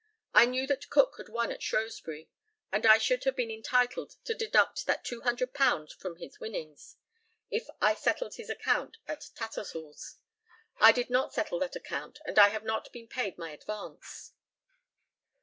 I knew that Cook had won at Shrewsbury, and I should have been entitled to deduct that £200 from his winnings, if I had settled his account at Tattersall's. I did not settle that account, and I have not been paid my advance.